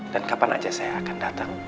dan kapan saja saya akan datang